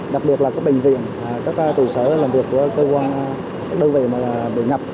đặc biệt là các bệnh viện các tù sở làm việc của cơ quan đơn vị mà bị nhập